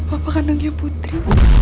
bapak akan nunggu putri